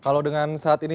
kalau dengan saat ini